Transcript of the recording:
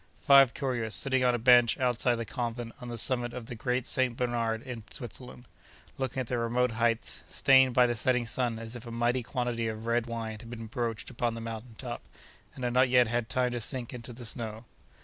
Five couriers, sitting on a bench outside the convent on the summit of the Great St. Bernard in Switzerland, looking at the remote heights, stained by the setting sun as if a mighty quantity of red wine had been broached upon the mountain top, and had not yet had time to sink into the snow.